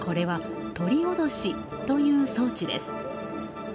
これは、鳥おどしという装置です。